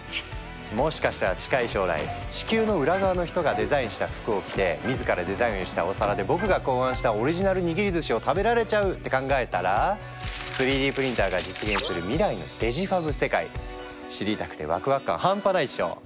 もしかしたら近い将来地球の裏側の人がデザインした服を着て自らデザインをしたお皿で僕が考案したオリジナルにぎりずしを食べられちゃうって考えたら３Ｄプリンターが実現する未来のデジファブ世界知りたくてワクワク感半端ないっしょ！